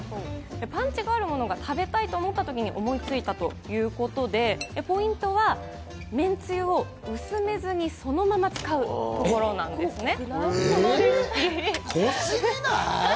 パンチがあるものが食べたいと思ったときに思いついたということで、ポイントはめんつゆを薄めずにそのまま使うところなんですね。